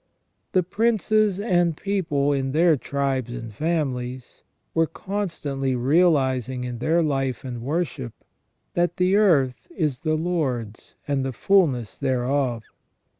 The princes and people in their tribes and families were constantly realising in their life and wor ship, that "the earth is the Lord's, and the fulness thereof".